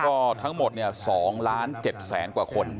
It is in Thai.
ก็ทั้งหมด๒๗๐๐๐๐๐คน